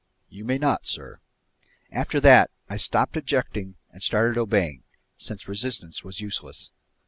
"You may not, sir." After that, I stopped objecting and started obeying, since resistance was useless.